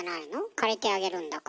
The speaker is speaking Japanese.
借りてあげるんだから。